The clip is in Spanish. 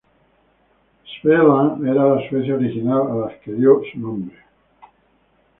Svealand era la Suecia original, a las que dio su nombre.